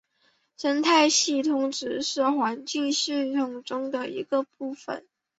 生态系统只是环境系统中的一个部分。